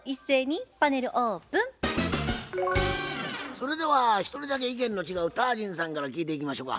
それでは一人だけ意見の違うタージンさんから聞いていきましょか。